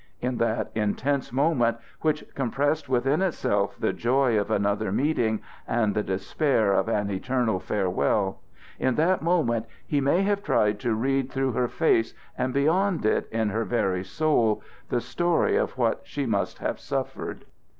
In that intense moment, which compressed within itself the joy of another meeting and the despair of an eternal farewell in that moment he may have tried to read through her face and beyond it in her very soul the story of what she must have suffered.